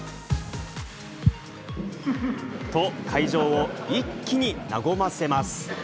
と、会場を一気に和ませます。